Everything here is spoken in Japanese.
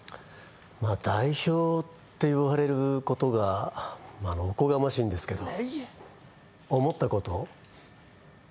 まあ代表っていわれることがおこがましいんですけど感じた